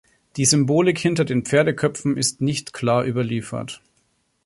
Die Symbolik hinter den Pferdeköpfen ist nicht klar überliefert.